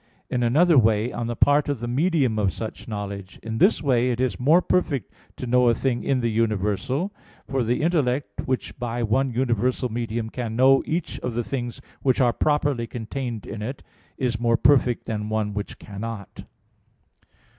In another way, on the part of the medium of such knowledge. In this way it is more perfect to know a thing in the universal; for the intellect, which by one universal medium can know each of the things which are properly contained in it, is more perfect than one which cannot.